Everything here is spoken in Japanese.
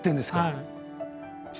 はい。